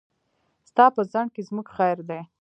ستا په ځنډ کې زموږ خير دی.